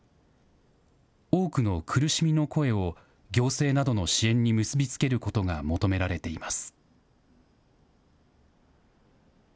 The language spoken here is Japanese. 多くの苦しみの声を行政などの支援に結び付けることが求められています。